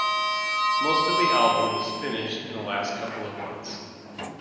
Most of the album was finished in the last couple of months.